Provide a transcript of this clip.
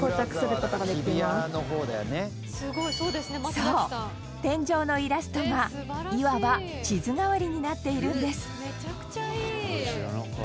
そう、天井のイラストがいわば地図代わりになっているんです本仮屋：